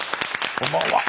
こんばんは。